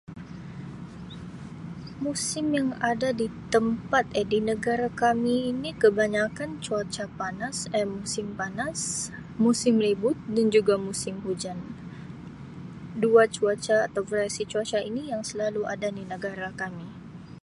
Musim yang ada di tempat Um di negara kami ini kebanyakkan cuaca panas Um musim panas, musim ribut dan juga musim hujan. Dua cuaca atau variasi cuaca ini yang selalu ada di negara kami.